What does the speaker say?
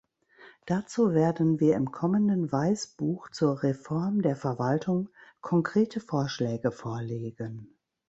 Dazu werden wir im kommenden Weißbuch zur Reform der Verwaltung konkrete Vorschläge vorlegen.